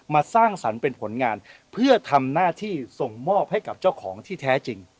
สร้างสรรค์เป็นผลงานเพื่อทำหน้าที่ส่งมอบให้กับเจ้าของที่แท้จริง